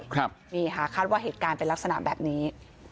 คาดว่าเหตุการณ์เป็นลักษณะแบบนี้